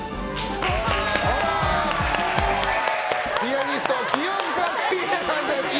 ピアニストの清塚信也さんです！